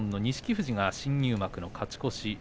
富士が新入幕の勝ち越し。